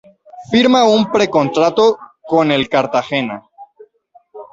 Firma un precontrato con el Cartagena.